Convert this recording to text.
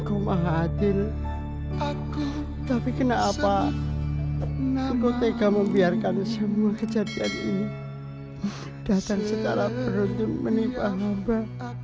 kau maha adil tapi kenapa kau tega membiarkan semua kejadian ini datang secara beruntung menipu hamba